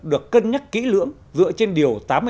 được cân nhắc kỹ lưỡng dựa trên điều tám mươi hai